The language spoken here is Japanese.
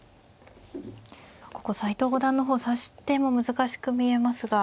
ここ斎藤五段の方指し手も難しく見えますが。